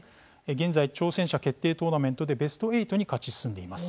現在、挑戦者決定トーナメントでベスト８に勝ち進んでいます。